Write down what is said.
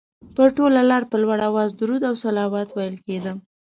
پر ټوله لاره په لوړ اواز درود او صلوات ویل کېده.